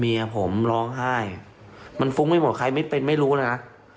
เมียผมร้องไห้มันฟุ้งไม่หมดใครไม่เป็นไม่รู้เลยนะ